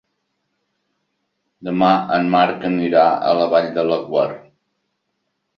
Demà en Marc anirà a la Vall de Laguar.